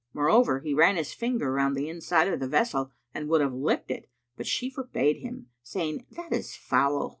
Moreover, he ran his finger round the inside of the vessel[FN#294] and would have licked it, but she forbade him, saying, "That is foul."